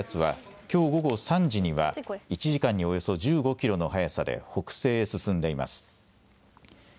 日本の南にある熱帯低気圧はきょう午後３時には１時間におよそ１５キロの速さで北西へ進んでいます。